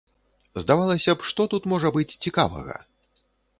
Здавалася б, што тут можа быць цікавага?